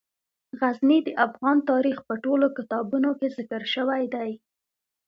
غزني د افغان تاریخ په ټولو کتابونو کې ذکر شوی دی.